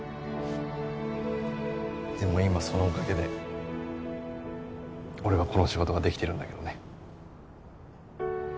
でも今そのおかげで俺はこの仕事ができてるんだけどね。